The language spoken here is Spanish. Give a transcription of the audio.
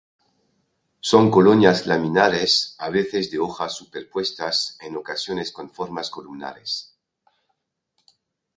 Son colonias laminares, a veces de hojas superpuestas, en ocasiones con formas columnares.